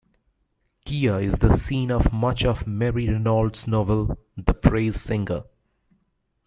Kea is the scene of much of Mary Renault's novel, "The Praise Singer".